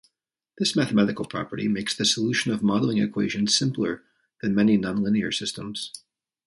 This mathematical property makes the solution of modelling equations simpler than many nonlinear systems.